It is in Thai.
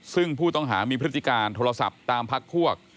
ซึ่งผู้ต้องหามีพฤติการโทรศัพท์ตามพักพวก